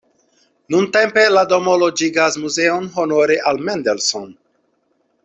Nuntempe la domo loĝigas muzeon honore al Mendelssohn.